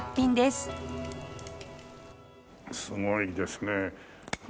すごいですね。